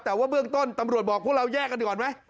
แต่ว่าเบื้องต้นตำรวจบอกพวกเราแยกกันดีกว่าไหม